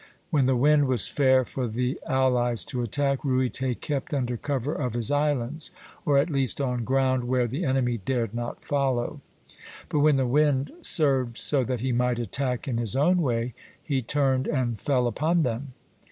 When the wind was fair for the allies to attack, Ruyter kept under cover of his islands, or at least on ground where the enemy dared not follow; but when the wind served so that he might attack in his own way, he turned and fell upon them.